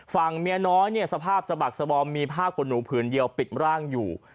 ฝั่งเมียน้อยเนี่ยสภาพสะบักสบอมมีผ้าขนหนูผืนเดียวปิดร่างอยู่